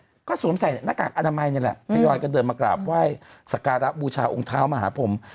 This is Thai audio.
พี่น้องค่ะสู่อำใส่นากากอนามัยพี่ยอดก็เดินมากราบไหว้สการบูชาวองค์เท้ามหาผม